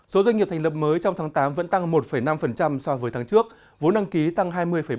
số doanh nghiệp thành lập mới trong tháng tám vẫn tăng một năm so với tháng trước vốn đăng ký tăng hai mươi ba